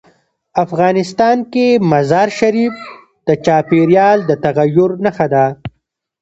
افغانستان کې مزارشریف د چاپېریال د تغیر نښه ده.